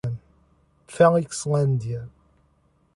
Felixlândia